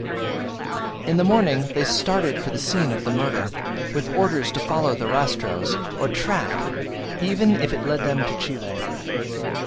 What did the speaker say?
In the morning they started for the scene of the murder, with orders to follow the "rastro," or track, even if it led them to Chile.